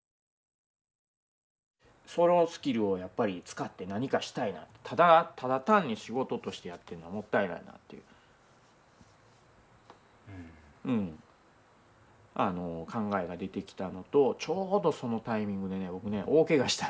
そのスキルをやっぱり使って何かしたいなってただただ単に仕事としてやっているのはもったいないなっていう考えが出てきたのとちょうどそのタイミングで僕ね大けがしたんですよね。